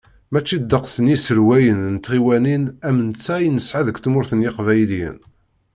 Mačči ddeqs n yiselwayen n tɣiwanin am netta i nesɛa deg Tmurt n Yiqbayliyen.